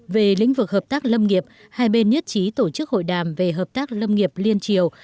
về lĩnh vực hợp tác lâm nghiệp hai bên nhất trí tổ chức hội đàm về hợp tác lâm nghiệp liên triều